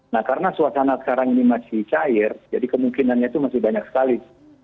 nah karena suasana sekarang ini masih cair jadi kemungkinannya itu masih banyak sekali